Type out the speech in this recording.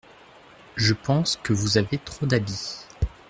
Je pense que vous avez trop d’habits.